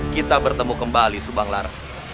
kita bertemu kembali subanglar